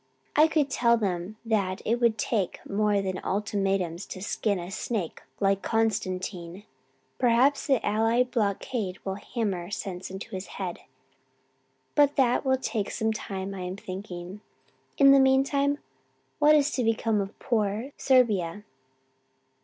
I could tell them that it will take more than ultimatums to skin a snake like Constantine. Perhaps the Allied blockade will hammer sense into his head; but that will take some time I am thinking, and in the meantime what is to become of poor Serbia?"